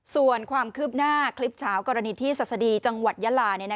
ส่วนความคืบหน้าคลิปเช้ากรณีที่ศัษฎีจังหวัดยาลา